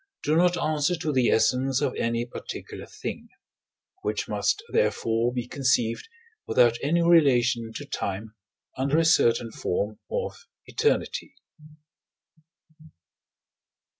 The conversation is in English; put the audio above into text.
do not answer to the essence of any particular thing: which must therefore be conceived without any relation to time, under a certain form of eternity.